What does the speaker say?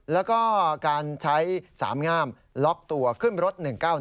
แล้วก็การใช้๓งามล็อกตัวขึ้นรถ๑๙๑